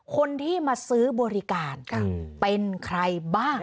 คนที่มาซื้อบริการเป็นใครบ้าง